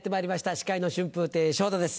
司会の春風亭昇太です